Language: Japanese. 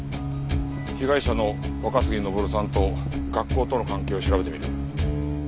被害者の若杉登さんと学校との関係を調べてみる。